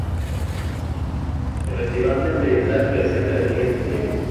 Se retiró antes de la creación de la Liga española.